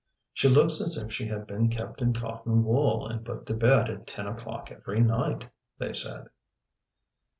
"She looks as if she had been kept in cotton wool and put to bed at ten o'clock every night," they said.